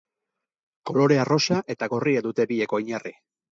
Kolore arrosa eta gorria dute biek oinarri.